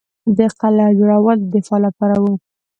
د قلعو جوړول د دفاع لپاره وو